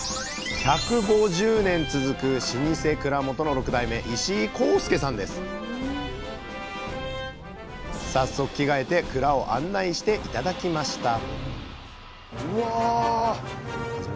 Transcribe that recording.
１５０年続く老舗蔵元の６代目早速着替えて蔵を案内して頂きました